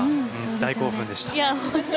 大興奮でした。